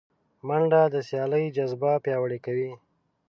منډه د سیالۍ جذبه پیاوړې کوي